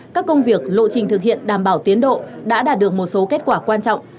các công việc lộ trình thực hiện đảm bảo tiến độ đã đạt được một số kết quả quan trọng